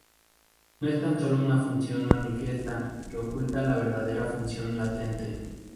No es tan solo una función manifiesta que oculta la verdadera función latente.